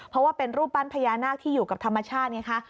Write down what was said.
เพราะว่าเป็นรูปปั้นพญานาคที่อยู่กับธรรมชาติไงคะ